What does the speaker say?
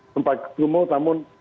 sempat kecumul namun